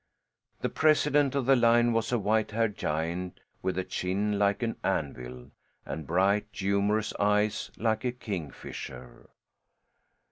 The president of the line was a white haired giant with a chin like an anvil and bright humorous eyes, like a kingfisher.